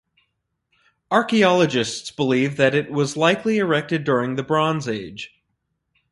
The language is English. Archaeologists believe that it was likely erected during the Bronze Age.